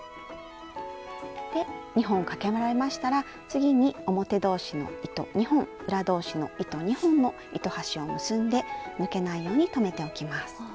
２本かけ終わりましたら次に表同士の糸２本裏同士の糸２本の糸端を結んで抜けないように留めておきます。